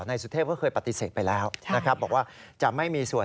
นายสุเทพเขาปฏิเสธไปแล้ว